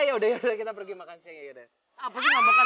ya udah udah kita pergi makan siang ya udah dulu dulu